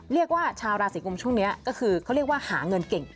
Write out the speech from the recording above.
เรียกว่าชาวราศีกรุมช่วงนี้เขาเรียกว่าหาเงินเก่ง